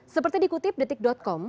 seperti dikutip detik com